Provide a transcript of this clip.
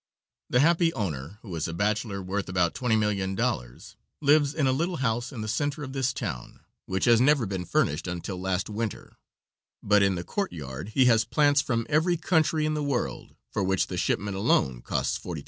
The happy owner, who is a bachelor worth about $20,000,000, lives in a little house in the center of this town, which has never been furnished until last winter, but in the courtyard he has plants from every country in the world, for which the shipment alone cost $40,000.